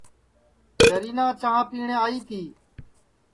جرینا چانٚھ پِیٹؔیں آئی تی